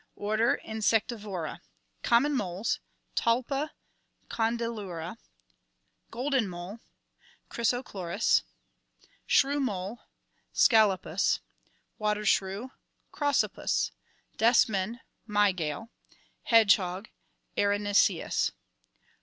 Order Insectivora. Common moles (Talpa, Condylura). Golden mole (Chrysochloris). Shrew mole (Scalopus). Water shrew (Crossopus), Desman (My gale). Hedgehog (Erinaceus).